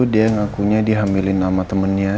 dia ngakunya dihamilin sama temennya